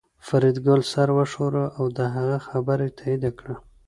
فریدګل سر وښوراوه او د هغه خبره یې تایید کړه